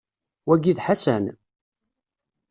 Wagi d Ḥasan?